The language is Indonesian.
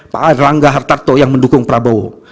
pak erlangga hartarto yang mendukung prabowo